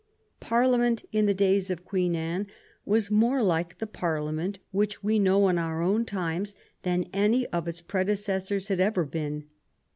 Parliament in the days of Queen Anne was more like the Parliament which we know in our own times than any of its predecessors had ever been.